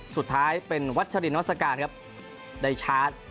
สุดท้ายเป็นวัชรินวัศกาลครับได้ชาร์จ